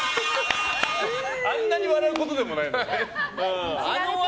あんなに笑うことでもない。